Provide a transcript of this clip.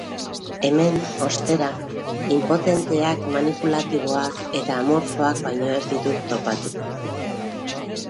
Hemen, ostera, inpotenteak, maniatikoak eta amorfoak baino ez ditut topatu.